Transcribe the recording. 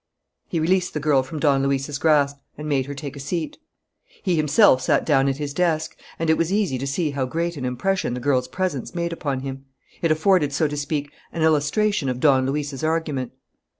He released the girl from Don Luis's grasp and made her take a seat. He himself sat down at his desk; and it was easy to see how great an impression the girl's presence made upon him. It afforded so to speak an illustration of Don Luis's argument.